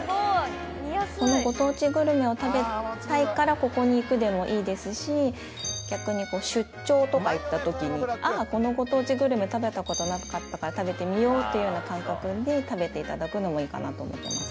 このご当地グルメを食べたいからここに行くでもいいですし逆に出張とか行った時にああこのご当地グルメ食べたことなかったから食べてみようというような感覚で食べていただくのもいいかなと思ってます